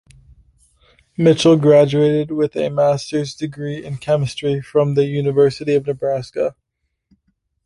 Mitchell graduated with a Master's degree in Chemistry from the University of Nebraska.